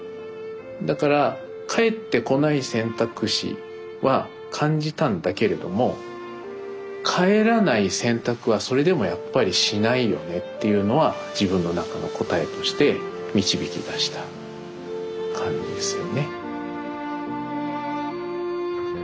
だから帰ってこない選択肢は感じたんだけれども帰らない選択はそれでもやっぱりしないよねっていうのは自分の中の答えとして導き出した感じですよね。